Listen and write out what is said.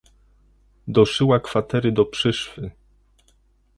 Doszyła kwatery do przyszwy.